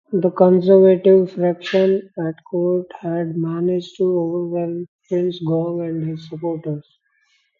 The conservative faction at court had managed to overwhelm Prince Gong and his supporters.